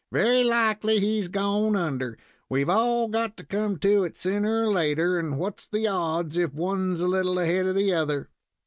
"Very likely he's gone under. We've all got to come to it sooner or later, and what's the odds if one's a little ahead of the other?"